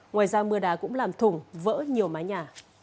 ngoài ra mưa đá cũng làm thủng vỡ nhiều mái nhà